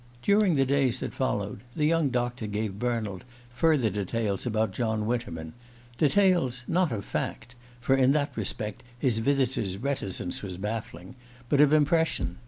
During the days that followed, the young doctor gave Bernald farther details about John Winterman: details not of fact for in that respect his visitor's reticence was baffling but of impression.